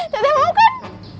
teteh mau kan